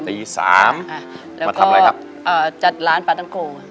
ตื่นตี๓แล้วก็จัดร้านป้าดำโก